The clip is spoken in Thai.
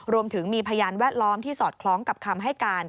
รวมถึงมีพยานแวดล้อมที่สอดคล้องกับคำให้การ